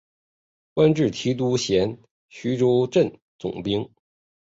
官至提督衔徐州镇总兵。